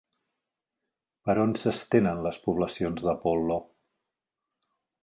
Per on s'estenen les poblacions d'apol·lo?